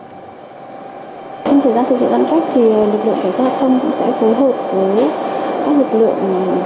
trong thời gian thời gian giãn cách thì lực lượng giao thông cũng sẽ phù hợp với các lực lượng